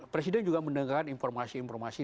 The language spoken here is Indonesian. presiden juga mendengarkan informasi informasi